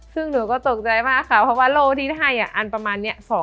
ซึ่งหนูก็ตกใจมากค่ะก็เพราะเราที่ไทยอันประมาณนี้๒อัน